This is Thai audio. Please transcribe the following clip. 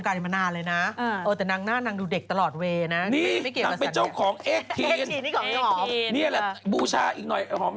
ใช่จะให้ดูบ้านของต้นหอมนะฮะ